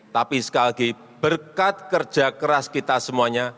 tapi sekali lagi berkat kerja keras kita semuanya